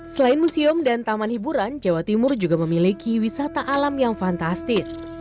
selain museum dan taman hiburan jawa timur juga memiliki wisata alam yang fantastis